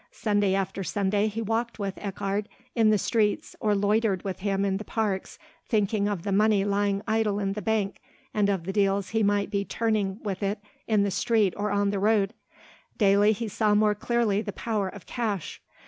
Sunday after Sunday he walked with Eckardt in the streets or loitered with him in the parks thinking of the money lying idle in the bank and of the deals he might be turning with it in the street or on the road. Daily he saw more clearly the power of cash.